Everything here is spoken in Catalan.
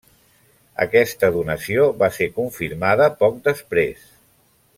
Aquesta donació va ser confirmada poc després.